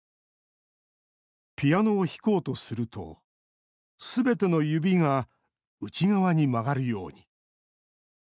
ピアノを弾こうとするとすべての指が内側に曲がるように。